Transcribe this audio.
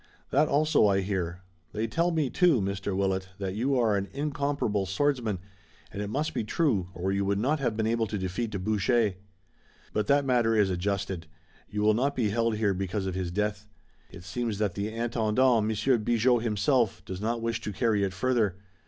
"That also, I hear. They tell me, too, Mr. Willet, that you are an incomparable swordsman, and it must be true, or you would not have been able to defeat Boucher. But that matter is adjusted. You will not be held here because of his death. It seems that the Intendant, Monsieur Bigot himself, does not wish to carry it further.